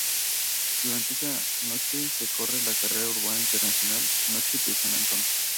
Durante esa noche se corre la Carrera Urbana Internacional Noche de San Antón.